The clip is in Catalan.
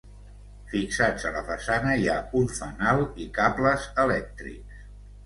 Fixats a la façana hi ha un fanal i cables elèctrics.